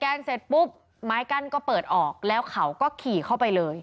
เสร็จปุ๊บไม้กั้นก็เปิดออกแล้วเขาก็ขี่เข้าไปเลย